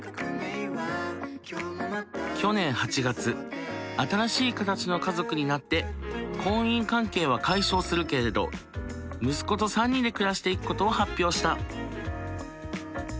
去年８月新しい形の家族になって婚姻関係は解消するけれど息子と３人で暮らしていくことを発表した。